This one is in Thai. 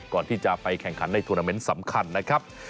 ก่อนที่จะไปแข่งขันในทวนาเมนต์สำคัญนะครับ